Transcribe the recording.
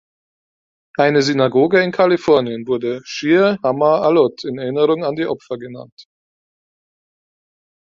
Eine Synagoge in Kalifornien wurde "Shir Ha-Ma'alot" in Erinnerung an die Opfer genannt.